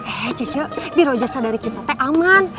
eh cicil biro jasa dari kita teh aman